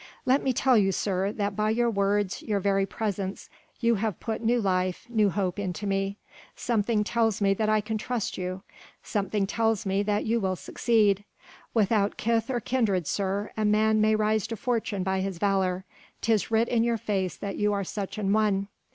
"Let me tell you, sir, that by your words, your very presence, you have put new life, new hope into me. Something tells me that I can trust you ... something tells me that you will succeed.... Without kith or kindred, sir, a man may rise to fortune by his valour: 'tis writ in your face that you are such an one.